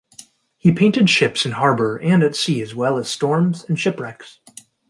He painted ships in harbour and at sea as well as storms and shipwrecks.